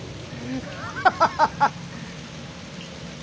ハハハハ！